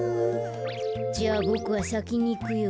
じゃあボクはさきにいくよ。